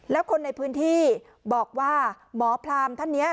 แล้วคนในพื้นที่บอกว่าหมอพรามท่านนี้